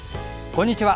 こんにちは。